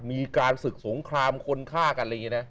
มีการศึกสงครามคนฆ่ากันอะไรอย่างนี้นะ